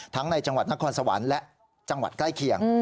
ในจังหวัดนครสวรรค์และจังหวัดใกล้เคียง